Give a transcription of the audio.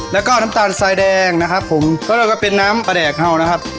แล้วก็น้ำตาลทรายแดงนะครับผมแล้วเราก็เป็นน้ำปลาแดกเห่านะครับ